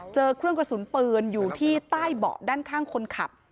เจอเครื่องกระสุนปืนอยู่ที่ใต้เบาะด้านข้างคนขับ